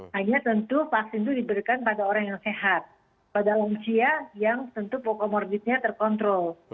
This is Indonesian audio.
hanya tentu vaksin itu diberikan pada orang yang sehat pada lansia yang tentu pokomorbidnya terkontrol